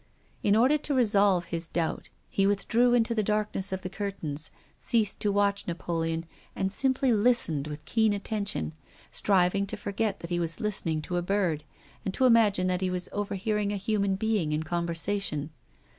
In order to resolve his doubt he with drew into the darkness of the curtains, ceased to watch Napoleon and simply listened with keen attention, striving to forget that he was listening to a bird, and to imagine that he was overhearing a human being in conversation.